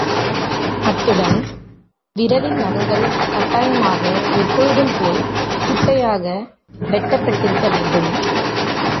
அத்துடன், விரலில் நகங்கள் கட்டாயமாக எப்பொழுதும்போல் குட்டையாக வெட்டப்பட்டிருக்க வேண்டும்.